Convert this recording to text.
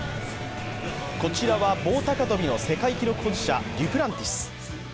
こちらは棒高跳びの世界記録保持者・デュプランティス。